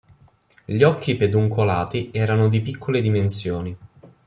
Gli occhi peduncolati erano di piccole dimensioni.